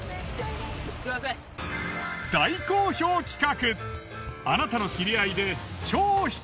大好評企画！